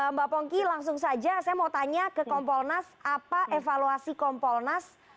mbak pongki langsung saja saya mau tanya ke kompolnas apa evaluasi kompolnas